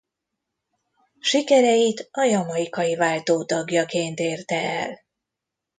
Sikereit a jamaicai váltó tagjaként érte el.